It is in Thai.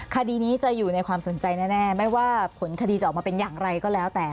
คดีนี้จะอยู่ในความสนใจแน่ไม่ว่าผลคดีจะออกมาเป็นอย่างไรก็แล้วแต่